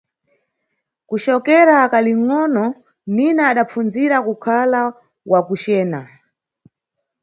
Kucokera akalingʼono, Nina adapfunzira kukhala wa kucena.